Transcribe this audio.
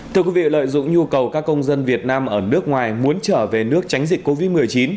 thưa quý vị lợi dụng nhu cầu các công dân việt nam ở nước ngoài muốn trở về nước tránh dịch covid một mươi chín